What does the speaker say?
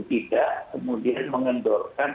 tidak kemudian mengendurkan